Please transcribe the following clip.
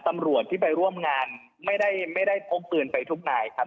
ตำรวจที่ไปร่วมงานไม่ได้ไม่ได้พกปืนไปทุกนายครับ